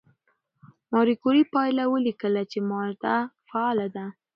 ماري کوري پایله ولیکله چې ماده فعاله ده.